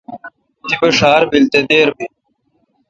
تیپہ ڄار بیل تو دیر بی۔